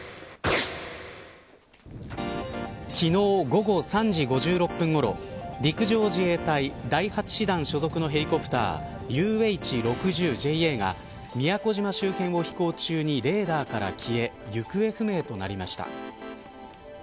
昨日午後３時５６分ごろ陸上自衛隊第８師団所属のヘリコプターＵＨー６０ＪＡが宮古島周辺を飛行中にレーダーから消え行方不明となりました。